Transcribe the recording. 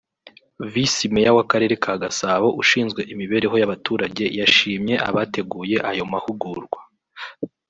Visi Meya w’Akarere ka Gasabo ushinzwe imibereho y’abaturage yashimye abateguye ayo mahugurwa